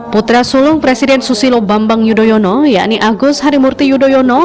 putra sulung presiden susilo bambang yudhoyono yakni agus harimurti yudhoyono